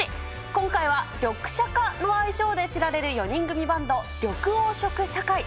今回は、リョクシャカの愛称で知られる４人組バンド、緑黄色社会。